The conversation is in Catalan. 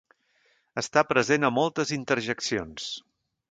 Està present a moltes interjeccions.